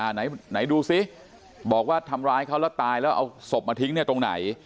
ไหนดูซิบอกว่าทำร้ายเขาแล้วตายแล้วเอาศพมาทิ้งเนี่ยตรงไหน